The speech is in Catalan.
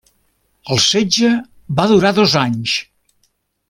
El setge va durar dos anys.